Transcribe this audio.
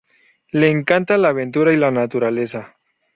Le encanta la aventura y la naturaleza.